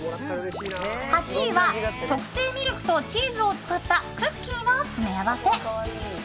８位は、特製ミルクとチーズを使ったクッキーの詰め合わせ。